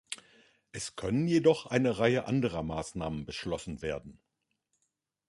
Es können jedoch eine Reihe anderer Maßnahmen beschlossen werden.